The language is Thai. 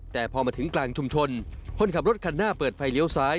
แต่พอมาถึงกลางชุมชนคนขับรถคันหน้าเปิดไฟเลี้ยวซ้าย